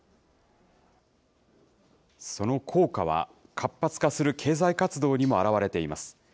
その効果は、活発化する経済活動にも表れています。